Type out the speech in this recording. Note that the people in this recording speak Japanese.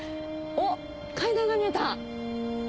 おっ階段が見えた。